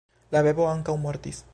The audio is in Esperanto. La bebo ankaŭ mortis.